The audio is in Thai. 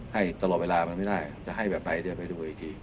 ให้ตลอดเวลามันไม่ได้จะให้แบบไหนเดี๋ยวไปดูอีกที